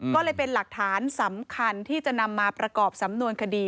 ก็เลยเป็นหลักฐานสำคัญที่จะนำมาประกอบสำนวนคดี